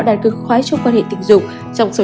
đạt cực khoái trong quan hệ tình dụng trong số